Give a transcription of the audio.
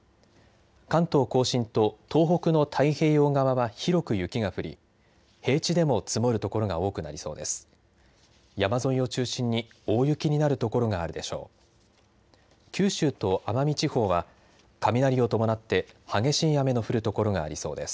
関東甲信と東北の太平洋側は広く雪が降り、平地でも積もる所が多くなりそうです。